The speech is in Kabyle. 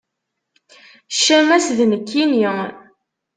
Ccama-s d nekkinni.